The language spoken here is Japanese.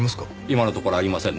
今のところありませんね。